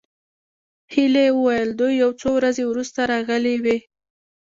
هيلې وویل دوی یو څو ورځې وروسته راغلې وې